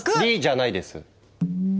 じゃないです。